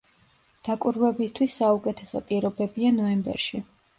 დაკვირვებისთვის საუკეთესო პირობებია ნოემბერში.